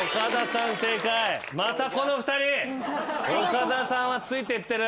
岡田さんはついてってる。